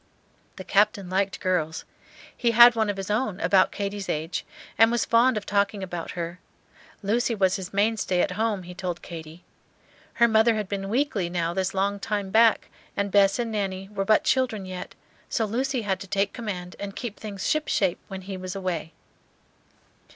The Captain liked girls. He had one of his own, about Katy's age, and was fond of talking about her. Lucy was his mainstay at home, he told Katy. Her mother had been "weakly" now this long time back, and Bess and Nanny were but children yet, so Lucy had to take command and keep things ship shape when he was away.